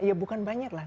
ya bukan banyak lah